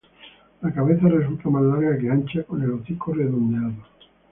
La cabeza resulta más larga que ancha, con el hocico redondeado.